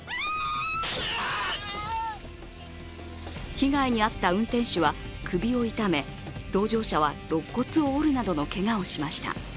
被害に遭った運転手は首を痛め、同乗者はろっ骨を折るなどのけがをしました。